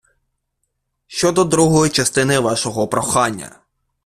Щодо другої частини вашого прохання.